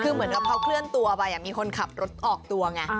คือเหมือนกับเขาเคลื่อนตัวไปมีคนขับรถออกตัวไง